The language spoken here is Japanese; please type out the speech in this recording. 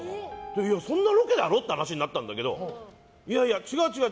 そんなロケだろって話になったんだけど違う、違う。